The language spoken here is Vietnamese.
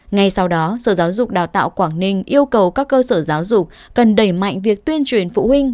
ngay sau đó sở giáo dục đào tạo quảng ninh yêu cầu các cơ sở giáo dục cần đẩy mạnh việc tuyên truyền phụ huynh